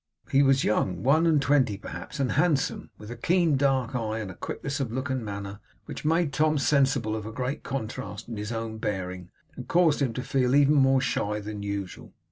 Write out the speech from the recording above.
He was young one and twenty, perhaps and handsome; with a keen dark eye, and a quickness of look and manner which made Tom sensible of a great contrast in his own bearing, and caused him to feel even more shy than usual.